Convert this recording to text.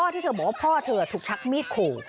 ที่เธอบอกว่าพ่อเธอถูกชักมีดขู่